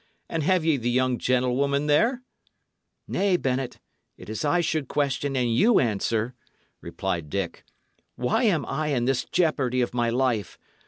And have ye the young gentlewoman there?" "Nay, Bennet, it is I should question and you answer," replied Dick. "Why am I in this jeopardy of my life?